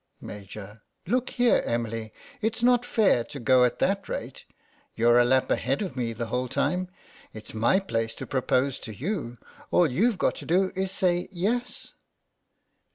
Maj.: Look here, Emily, it's not fair to go at that rate. You're a lap ahead of me the whole time. It's my place to propose to you ; all you've got to do is to say "Yes."